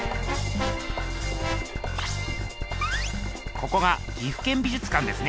ここが岐阜県美術館ですね。